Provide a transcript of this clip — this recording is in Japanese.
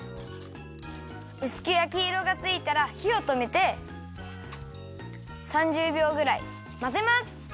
うすくやきいろがついたらひをとめて３０びょうぐらいまぜます。